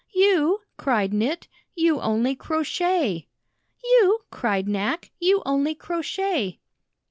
"You?" cried Knit. "You only crochet!" "You?" cried Knack. "You only crochet!"